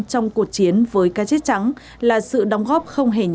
trong cuộc chiến với cá chết trắng là sự đóng góp không hề nhỏ